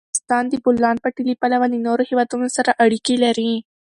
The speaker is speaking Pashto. افغانستان د د بولان پټي له پلوه له نورو هېوادونو سره اړیکې لري.